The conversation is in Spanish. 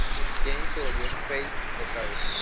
James se volvió face otra vez.